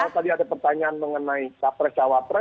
kalau misalnya tadi ada pertanyaan mengenai capres cawapres